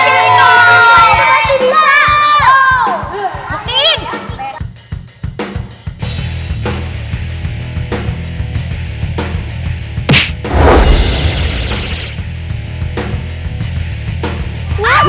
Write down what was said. tuh juga siap lah